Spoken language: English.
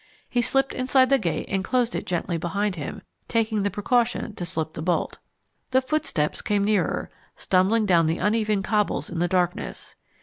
He slipped inside the gate and closed it gently behind him, taking the precaution to slip the bolt. The footsteps came nearer, stumbling down the uneven cobbles in the darkness.